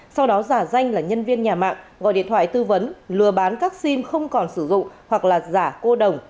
sau đó giả danh là nhân viên nhà mạng gọi điện thoại tư vấn lừa bán các sim không còn sử dụng hoặc là giả cô đồng